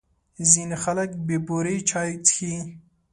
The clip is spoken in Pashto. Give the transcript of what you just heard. ځینې خلک بې بوري چای څښي.